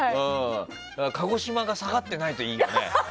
鹿児島が下がってないといいよね。